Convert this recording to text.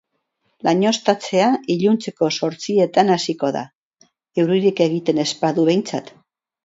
Lainoztatzea iluntzeko zortzietan hasiko da, euririk egiten ez badu behintzat.